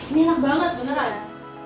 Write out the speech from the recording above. ini enak banget beneran ya